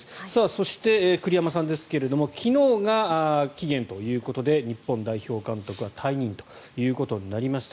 そして、栗山さんですが昨日が期限ということで日本代表監督は退任ということになりました。